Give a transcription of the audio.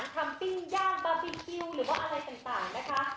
ปิ้งย่างบาร์บีคิวหรือว่าอะไรต่างนะคะ